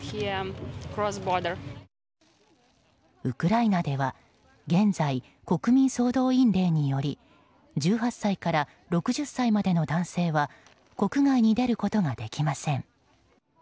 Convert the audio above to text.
ウクライナでは現在国民総動員令により１８歳から６０歳までの男性は国外に出ることができません。